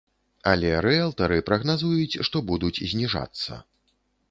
Але рыэлтары прагназуюць, што будуць зніжацца.